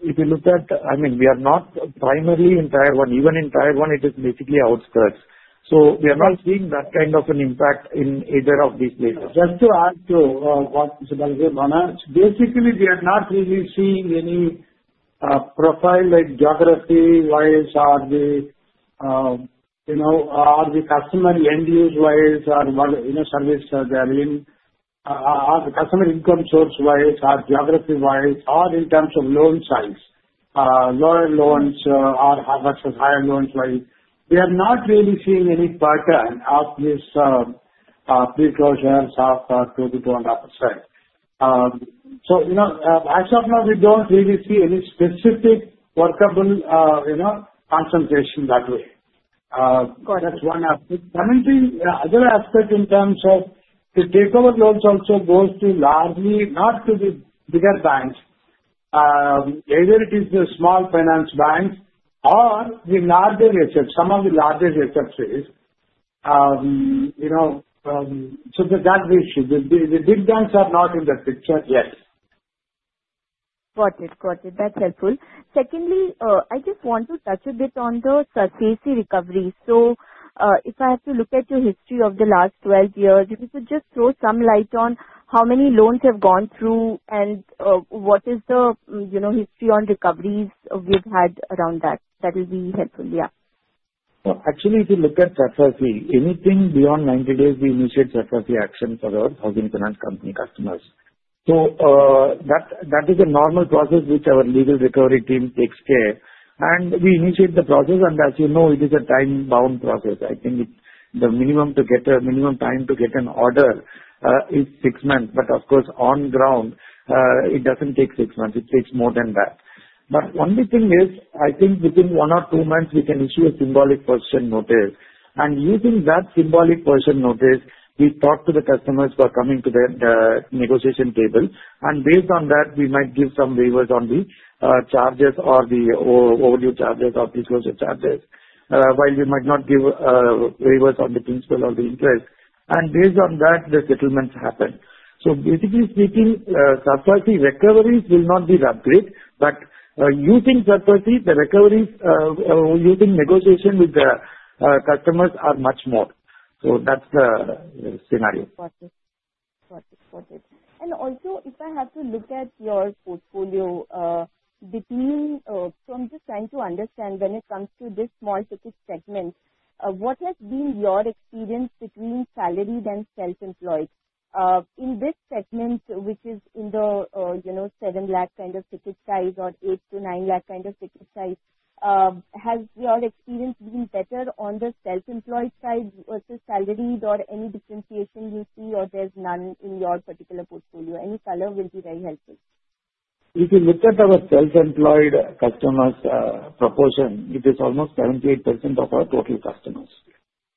If you look at, I mean, we are not primarily in tier one. Even in tier one, it is basically outskirts. So we are not seeing that kind of an impact in either of these places. Just to add to what is available, Mona, basically, we are not really seeing any profile like geography-wise or the customer end-use-wise or service availability, customer income source-wise or geography-wise or in terms of loan size, lower loans or versus higher loans-wise. We are not really seeing any pattern of these preclosures of 2%-2.5%. So as of now, we don't really see any specific workable concentration that way. Got it. That's one aspect. Another aspect in terms of the takeover loans also goes to largely not to the bigger banks, either it is the small finance banks or the larger HF, some of the larger HFs. So that is the big banks are not in the picture yet. Got it. Got it. That's helpful. Secondly, I just want to touch a bit on the CAC recovery. So if I have to look at your history of the last 12 years, if you could just throw some light on how many loans have gone through and what is the history on recoveries we've had around that. That will be helpful. Yeah. Actually, if you look at SARFAESI, anything beyond 90 days, we initiate SARFAESI action for our housing finance company customers, so that is a normal process which our legal recovery team takes care. And we initiate the process, and as you know, it is a time-bound process. I think the minimum time to get an order is six months, but of course, on ground, it doesn't take six months. It takes more than that. But one big thing is, I think within one or two months, we can issue a symbolic possession notice. And using that symbolic possession notice, we talk to the customers who are coming to the negotiation table. And based on that, we might give some waivers on the charges or the overdue charges or preclosure charges, while we might not give waivers on the principal or the interest. And based on that, the settlements happen. So basically speaking, SARFAESI recoveries will not be that great. But using SARFAESI, the recoveries using negotiation with the customers are much more. So that's the scenario. Got it. And also, if I have to look at your portfolio, from just trying to understand when it comes to this small ticket segment, what has been your experience between salaried and self-employed? In this segment, which is in the seven lakh kind of ticket size or eight to nine lakh kind of ticket size, has your experience been better on the self-employed side versus salaried or any differentiation you see, or there's none in your particular portfolio? Any color will be very helpful. If you look at our self-employed customers' proportion, it is almost 78% of our total customers.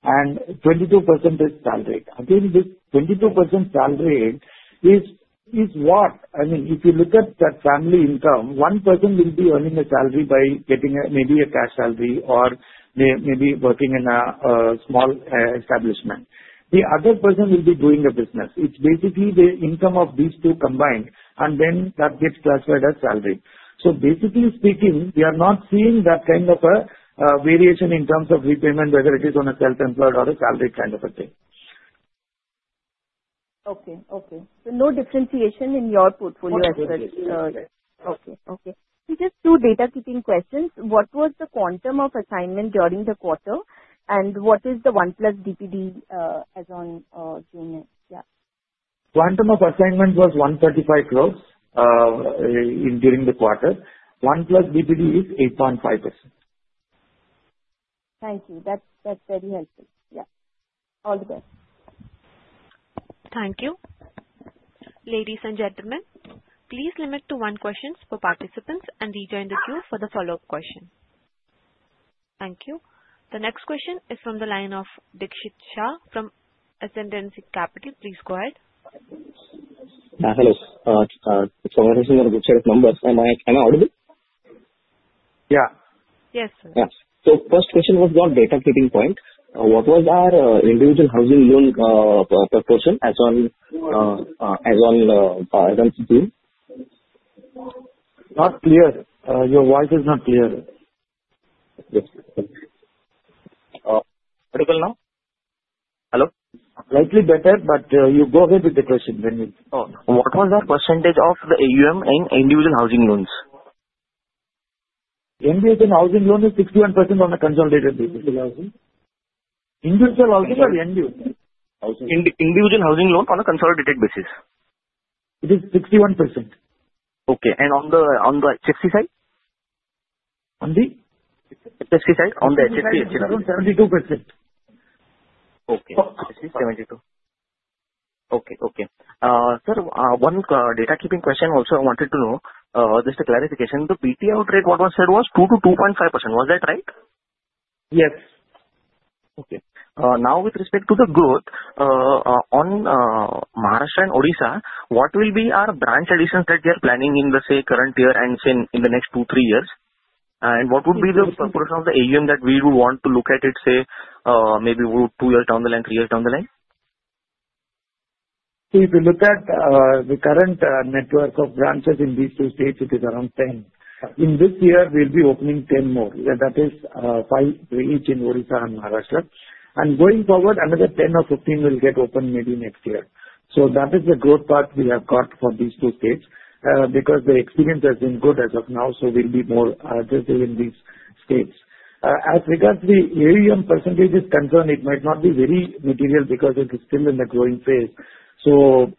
And 22% is salaried. Again, this 22% salaried is what? I mean, if you look at that family income, one person will be earning a salary by getting maybe a cash salary or maybe working in a small establishment. The other person will be doing a business. It's basically the income of these two combined, and then that gets classified as salary. So basically speaking, we are not seeing that kind of a variation in terms of repayment, whether it is on a self-employed or a salaried kind of a thing. Okay. So no differentiation in your portfolio as such. Yes. Yes. Yes. Okay. Just two housekeeping questions. What was the quantum of assignment during the quarter? And what is the 1+ DPD as on June? Yeah. Quantum of assignment was 135 crores during the quarter. 1+ DPD is 8.5%. Thank you. That's very helpful. Yeah. All the best. Thank you. Ladies and gentlemen, please limit to one question for participants and rejoin the queue for the follow-up question. Thank you. The next question is from the line of Dixit Shah from Ascendancy Capital. Please go ahead. Hello. So I'm just going to share a number. Am I audible? Yeah. Yes, sir. Yeah. So first question was about data-keeping point. What was our individual housing loan proportion as on Q2? Not clear. Your voice is not clear. Audible now? Hello? Slightly better, but you go ahead with the question. What was the percentage of the AUM in individual housing loans? Individual housing loan is 61% on a consolidated basis. Individual housing? Individual housing or NDU? Individual housing loan on a consolidated basis? It is 61%. Okay. And on the HFC side? On the? HFC side. On the HFC side. 72%. Okay. HFC 72. Okay. Sir, one housekeeping question also I wanted to know, just a clarification. The BT out rate, what was said was 2%-2.5%. Was that right? Yes. Okay. Now, with respect to the growth on Maharashtra and Odisha, what will be our branch additions that we are planning in the, say, current year and, say, in the next two, three years? And what would be the proportion of the AUM that we would want to look at, say, maybe two years down the line, three years down the line? If you look at the current network of branches in these two states, it is around 10. In this year, we'll be opening 10 more. That is 5 each in Odisha and Maharashtra, and going forward, another 10 or 15 will get opened maybe next year, so that is the growth path we have got for these two states because the experience has been good as of now, so we'll be more aggressive in these states. As regards to the AUM percentage is concerned, it might not be very material because it is still in the growing phase, so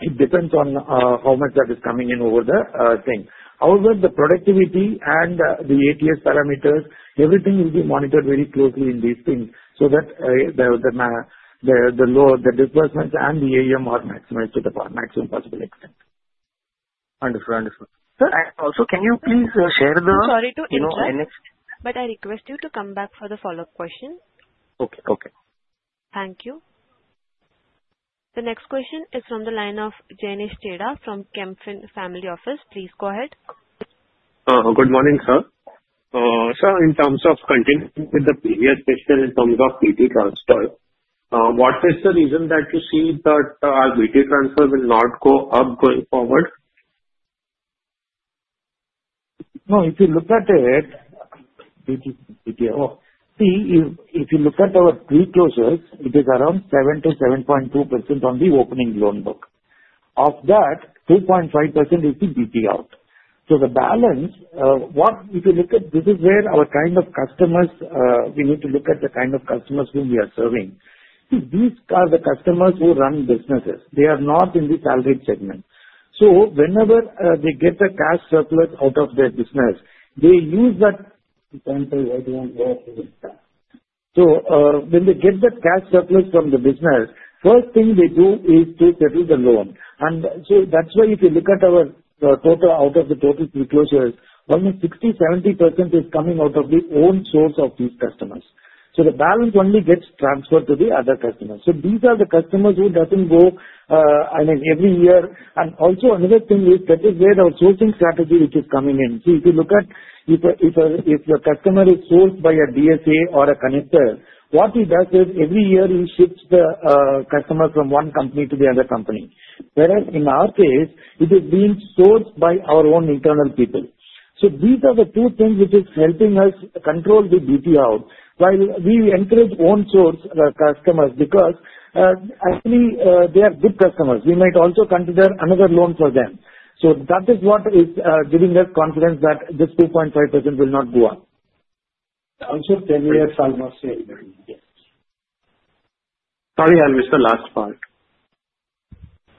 it depends on how much that is coming in over the thing. However, the productivity and the ATS parameters, everything will be monitored very closely in these things so that the disbursements and the AUM are maximized to the maximum possible extent. Wonderful. Wonderful. Sir, also can you please share the. I'm sorry to interrupt, but I request you to come back for the follow-up question. Okay. Okay. Thank you. The next question is from the line of Jainis Chheda from Kemfin Family Office. Please go ahead. Good morning, sir. Sir, in terms of continuing with the previous question in terms of BT transfer, what is the reason that you see that our BT transfer will not go up going forward? No. If you look at it, BT out. See, if you look at our preclosures, it is around 7%-7.2% on the opening loan book. Of that, 2.5% is the BT out. So the balance, if you look at, this is where our kind of customers, we need to look at the kind of customers whom we are serving. These are the customers who run businesses. They are not in the salaried segment. So whenever they get the cash surplus out of their business, they use that. Example, why do you want to go up to this? So when they get the cash surplus from the business, first thing they do is to settle the loan. And so that's why if you look at our total out of the total preclosures, only 60%-70% is coming out of the own source of these customers. So the balance only gets transferred to the other customers. So these are the customers who doesn't go, I mean, every year. And also another thing is that is where our sourcing strategy which is coming in. So if you look at, if a customer is sourced by a DSA or a connector, what he does is every year he shifts the customer from one company to the other company. Whereas in our case, it is being sourced by our own internal people. So these are the two things which is helping us control the BT out while we encourage own source customers because actually they are good customers. We might also consider another loan for them. So that is what is giving us confidence that this 2.5% will not go up. Also, 10 years almost. Sorry, I'll miss the last part.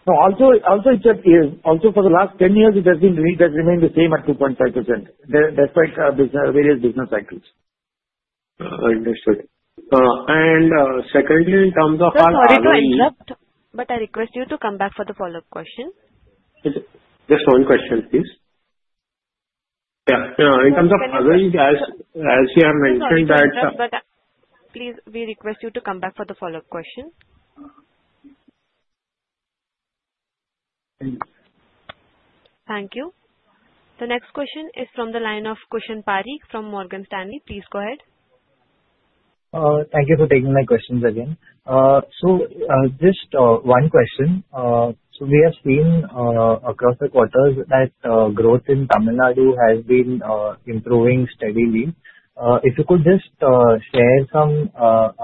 No, also for the last 10 years, it has remained the same at 2.5% despite various business cycles. Understood. And secondly, in terms of our. Sorry to interrupt, but I request you to come back for the follow-up question. Just one question, please. Yeah. In terms of other issues, as you have mentioned that. Please, we request you to come back for the follow-up question. Thank you. The next question is from the line of Kushan Parikh from Morgan Stanley. Please go ahead. Thank you for taking my questions again. So just one question. So we have seen across the quarters that growth in Tamil Nadu has been improving steadily. If you could just share some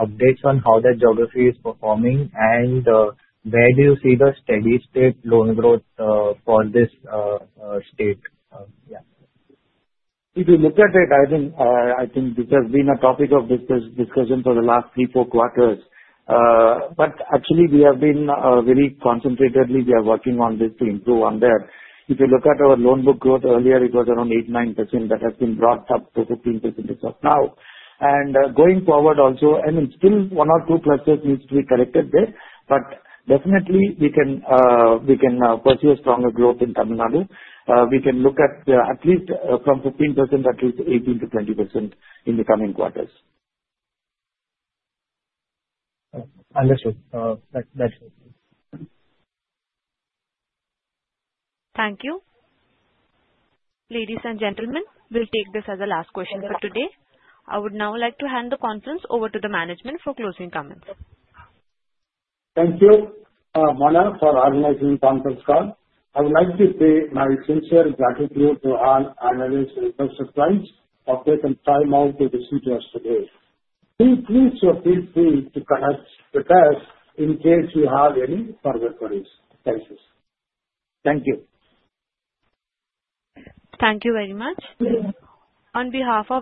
updates on how that geography is performing and where do you see the steady-state loan growth for this state? Yeah. If you look at it, I think this has been a topic of discussion for the last three, four quarters, but actually, we have been very concentratedly working on this to improve on that. If you look at our loan book growth earlier, it was around 8, 9% that has been brought up to 15% as of now, and going forward also, I mean, still one or two pluses need to be corrected there, but definitely, we can pursue a stronger growth in Tamil Nadu. We can look at at least from 15%, at least 18-20% in the coming quarters. Understood. That's it. Thank you. Ladies and gentlemen, we'll take this as the last question for today. I would now like to hand the conference over to the management for closing comments. Thank you, Mona, for organizing the conference call. I would like to pay my sincere gratitude to all analysts and researcher clients for taking time out to visit us today. Please feel free to contact us in case you have any further queries. Thank you. Thank you very much. On behalf of.